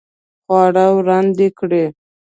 خواړه وړاندې کړئ